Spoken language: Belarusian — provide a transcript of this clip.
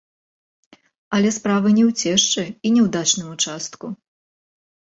Але справа не ў цешчы і не ў дачным участку.